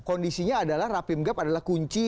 kondisinya adalah rapim gap adalah kunci